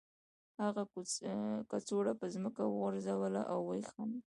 هغه کڅوړه په ځمکه وغورځوله او ویې خندل